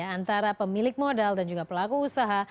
antara pemilik modal dan juga pelaku usaha